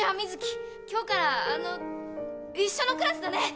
今日からあの一緒のクラスだねよろしく！